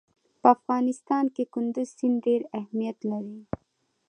په افغانستان کې کندز سیند ډېر اهمیت لري.